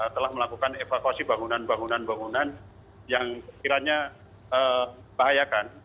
telah melakukan evakuasi bangunan bangunan bangunan yang kiranya bahayakan